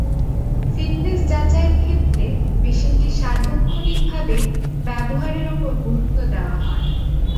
Fitness যাচাইয়ের ক্ষেত্র মেশিনটি সার্বক্ষণিকভাবে ব্যবহারের ওপর গুরুত্ব দেওয়া হয়।